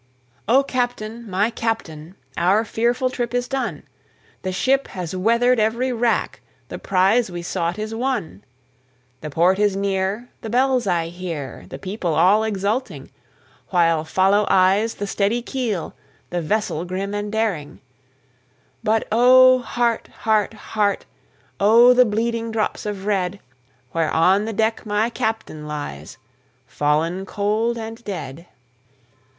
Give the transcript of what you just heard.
O Captain! my Captain! our fearful trip is done, The ship has weathered every rack, the prize we sought is won, The port is near, the bells I hear, the people all exulting, While follow eyes the steady keel, the vessel grim and daring; But O heart! heart! heart! O the bleeding drops of red, Where on the deck my Captain lies, Fallen cold and dead.